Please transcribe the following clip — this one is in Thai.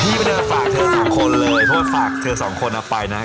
นี่พี่ไม่ได้ฝากเธอสองคนเลยเพราะว่าฝากเธอสองคนนะไปนะ